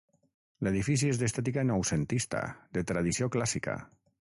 L'edifici és d'estètica noucentista, de tradició clàssica.